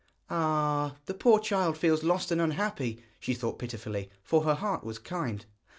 'Ah! the poor child feels lost and unhappy,' she thought pitifully, for her heart was kind.